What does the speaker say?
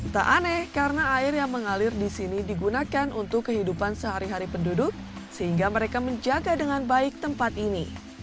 tak aneh karena air yang mengalir di sini digunakan untuk kehidupan sehari hari penduduk sehingga mereka menjaga dengan baik tempat ini